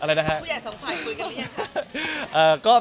ผู้ใหญ่สองฝ่ายคุยกันเนี้ยครับ